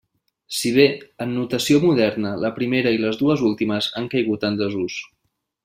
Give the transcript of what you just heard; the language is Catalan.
Si bé, en notació moderna la primera i les dues últimes han caigut en desús.